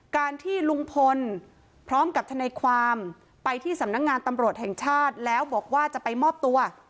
การที่ลุงพลพร้อมกับทนายความไปที่สำนักงานตำรวจแห่งชาติแล้วบอกว่าจะไปมอบตัว